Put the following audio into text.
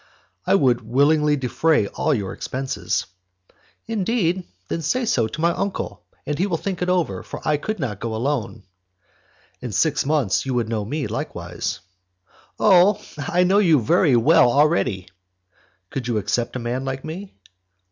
"I would willingly defray all your expenses." "Indeed? Then say so to my uncle, and he will think it over, for I could not go alone." "In six months you would know me likewise." "Oh! I know you very well already." "Could you accept a man like me?"